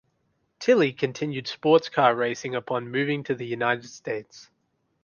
Tilley continued sports car racing upon moving to the United States.